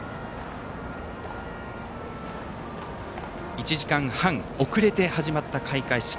１時間半遅れて始まった開会式。